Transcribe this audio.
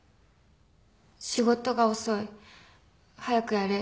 「仕事が遅い」「早くやれ」